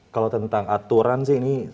kalau tentang aturan sih ini